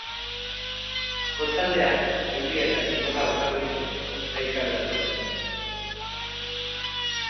Kostaldean euria eta txingorra botako ditu ekaitzak datozenean.